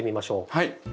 はい。